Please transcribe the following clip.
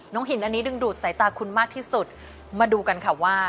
หินอันนี้ดึงดูดสายตาคุณมากที่สุดมาดูกันค่ะว่า